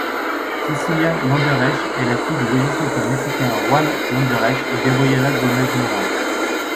Cecilia Landerreche est la fille du législateur mexicain Juan Landerreche et Gabriela Gómez Morín.